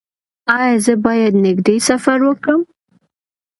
ایا زه باید نږدې سفر وکړم؟